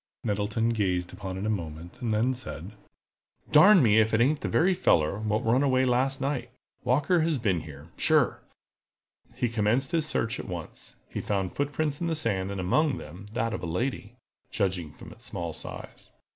Nettleton gazed upon it a moment, and then said: "Darn me if it ain't the very feller what run away last night. Walker has been here, sure!" He commenced his search at once. He found footprints in the sand, and among them that of a lady, judging from its small size.